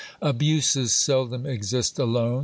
Abuses seldom exist alone.